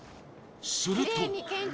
すると。